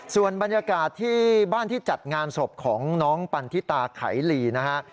ส่วนบรรยากาศที่บ้านที่จัดงานศพของน้องปันทิตาไขลีนะฮะ